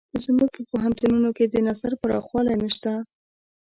زموږ په پوهنتونونو د نظر پراخوالی نشته.